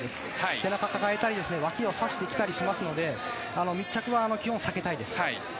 背中を抱えたりわきを差してきたりしますので密着は基本、避けたいです。